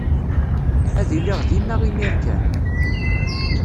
Ad iliɣ dinna imir kan.